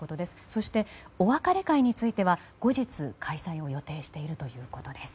そして、お別れ会については後日開催を予定しているということです。